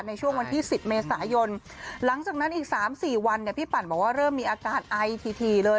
ในช่วงวันที่๑๐เมษายนหลังจากนั้นอีก๓๔วันเนี่ยพี่ปั่นบอกว่าเริ่มมีอาการไอทีเลย